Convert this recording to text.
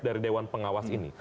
dari dewan pengawas ini